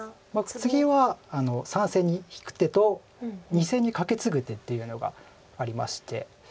ツギは３線に引く手と２線にカケツグ手っていうのがありまして。